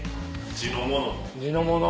地のもの。